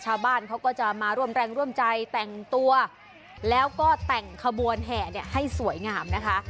ชาวบ้านเขาก็จะมาร่วมแรงร่วมใจแต่งตัวแล้วก็แต่งขบวนแห่เนี่ยให้สวยงามนะคะ